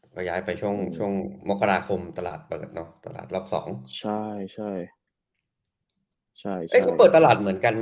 ก็ย้ายไปช่วงมกราคมตลาดเปิดเนอะตลาดรอบ๒ใช่ไหม